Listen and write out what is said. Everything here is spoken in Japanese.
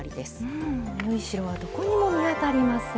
縫い代はどこにも見当たりません。